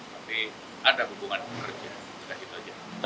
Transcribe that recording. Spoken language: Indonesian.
tapi ada hubungan kerja sekalipun